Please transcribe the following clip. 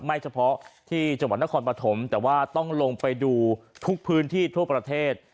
เฉพาะที่จังหวัดนครปฐมแต่ว่าต้องลงไปดูทุกพื้นที่ทั่วประเทศ